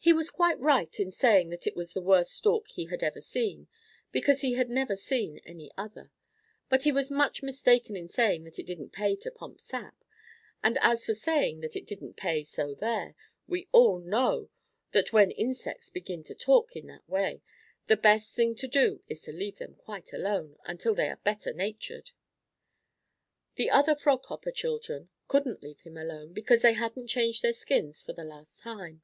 He was quite right in saying that it was the worst stalk he had ever seen, because he had never seen any other, but he was much mistaken in saying that it didn't pay to pump sap, and as for saying that "it didn't pay, so there!" we all know that when insects begin to talk in that way the best thing to do is to leave them quite alone until they are better natured. The other Frog Hopper children couldn't leave him alone, because they hadn't changed their skins for the last time.